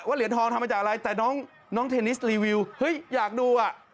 เหรียญทองทำมาจากอะไรแต่น้องเทนนิสรีวิวเฮ้ยอยากดูอ่ะ